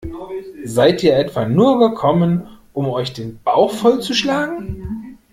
Seid ihr etwa nur gekommen, um euch den Bauch voll zu schlagen?